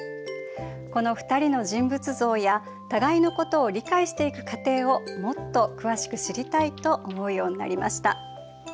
この２人の人物像や互いのことを理解していく過程をもっと詳しく知りたいと思うようになりました。